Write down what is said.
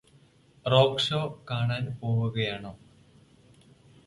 rock show കാണാൻ പോവുകയാണോ